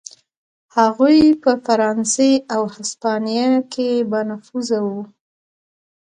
هغوی په فرانسې او هسپانیې کې بانفوذه و.